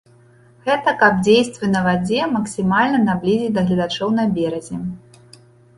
Гэта каб дзействы на вадзе максімальна наблізіць да гледачоў на беразе.